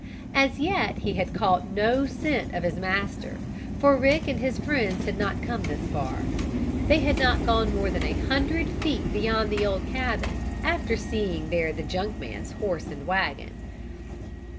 As yet he had caught no scent of his master, for Rick and his friends had not come this far. They had not gone more than a hundred feet beyond the old cabin, after seeing there the junk man's horse and wagon.